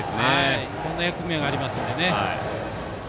いろんな役目がありますのでね。